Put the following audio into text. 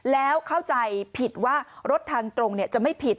แล้วเข้าใจผิดว่ารถทางตรงจะไม่ผิด